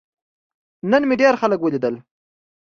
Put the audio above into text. نن مې ډیر خلک ولیدل.